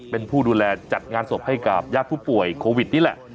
เป็นผู้ดูแลจัดงานศพให้กับญาติผู้ป่วยโควิดนี่แหละ